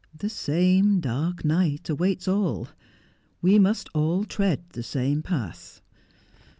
The same dark night awaits all. We must all tread the same path.